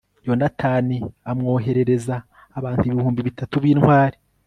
yonatani amwoherereza abantu ibihumbi bitatu b'intwari